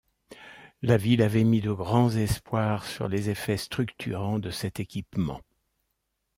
La ville avait mis de grand espoirs sur les effets structurants de cet équipement.